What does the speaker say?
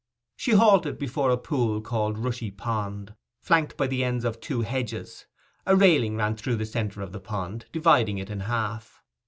She halted before a pool called Rushy pond, flanked by the ends of two hedges; a railing ran through the centre of the pond, dividing it in half.